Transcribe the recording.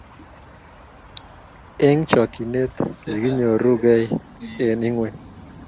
eng chokchinet kiginyorugei eng ingweny